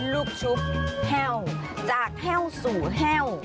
ลูกชุบแห้วจากแห้วสู่แห้ว